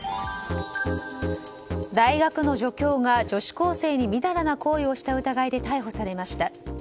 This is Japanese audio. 大学の助教が女子高生にみだらな行為をした疑いで逮捕されました。